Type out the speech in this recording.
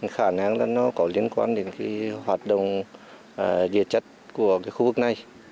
khả năng là nó có liên quan đến hoạt động địa chất của khu vực này